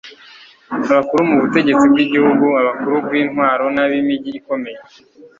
abakuru mu butegetsi bw'igihugu, abakuru b'intwaro n'ab'imigi ikomeye